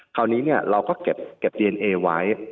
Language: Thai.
คราวนี้เราก็เก็บดีเอนเอไว้